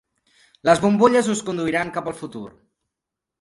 Les bombolles us conduiran cap al futur.